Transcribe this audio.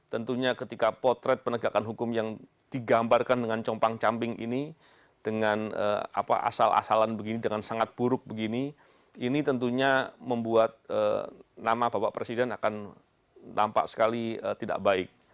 tentunya ketika potret penegakan hukum yang digambarkan dengan compang camping ini dengan asal asalan begini dengan sangat buruk begini ini tentunya membuat nama bapak presiden akan nampak sekali tidak baik